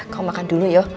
kau makan dulu yuk